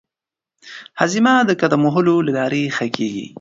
هاضمه د قدم وهلو له لارې ښه کېږي.